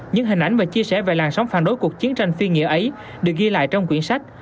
những hình ảnh và chia sẻ về làn sóng phản đối cuộc chiến tranh phi nghĩa ấy được ghi lại trong quyển sách